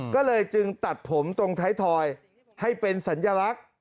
ก็เลยจึงตัดผมตรงท้ายทอยให้เป็นสัญลักษณ์